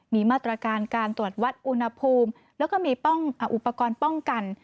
มีมาตรการการตรวจวัดอุณหภูมิแล้วก็มีอุปกรณ์ป้องกัน